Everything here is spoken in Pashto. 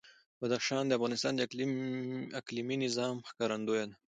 بدخشان د افغانستان د اقلیمي نظام ښکارندوی ده.